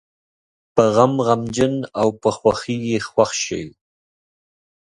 په غم غمجن او په خوښۍ یې خوښ شي.